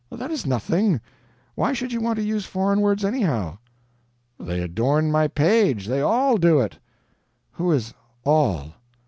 "That is nothing. Why should you want to use foreign words, anyhow?" "They adorn my page. They all do it." "Who is 'all'?"